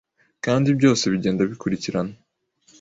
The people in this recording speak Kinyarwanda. Kandi byose bigenda bikurikirana